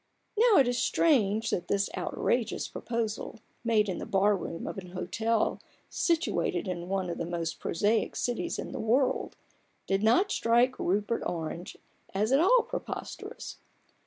Now it is strange that this outrageous proposal, made in the bar room of an hotel situate in one of the most prosaic cities in the world, did not strike Rupert Orange as at all preposterous.